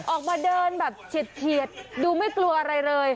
ออกมาเดินแบบเฉียดดูไม่กลัวอะไรเลย